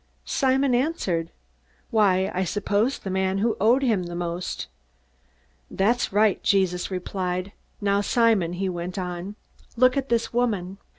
Simon answered, "Why, I suppose the man who owed him the most." "That's right," Jesus replied. "Now, Simon," he went on, "look at this woman.